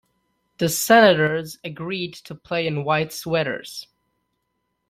The Senators agreed to play in white sweaters.